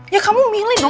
ya kamu milih dong